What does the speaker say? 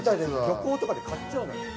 旅行とかで買っちゃうのよ。